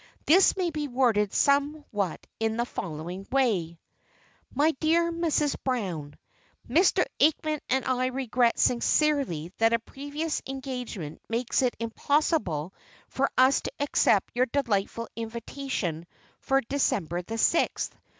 This may be worded somewhat in the following way: "My dear Mrs. Brown: "Mr. Aikman and I regret sincerely that a previous engagement makes it impossible for us to accept your delightful invitation for December the sixth.